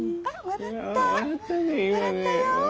笑ったよ。